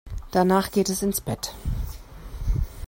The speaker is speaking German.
Danach geht es ins Bett.